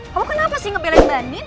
kamu kenapa sih ngebelain mbak nin